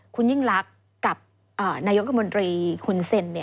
คุณยิ่งรักกับนายยกกันมนตรีคุณเซ็น